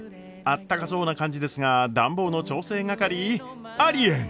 あったかそうな感じですが暖房の調整係？ありえん！